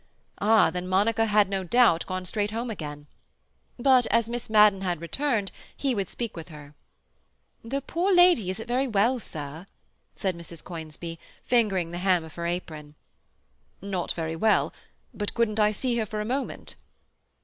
Ah, then Monica had no doubt gone straight home again. But, as Miss Madden had returned, he would speak with her. "The poor lady isn't very well, sir," said Mrs. Conisbee, fingering the hem of her apron. "Not very well? But couldn't I see her for a moment?"